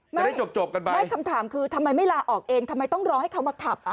ไม่ได้จบกันไปไม่คำถามคือทำไมไม่ลาออกเองทำไมต้องรอให้เขามาขับอ่ะ